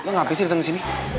emang ngapain sih datang ke sini